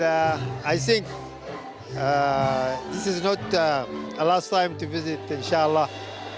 dan saya pikir ini bukan kali terakhir untuk menemui insya allah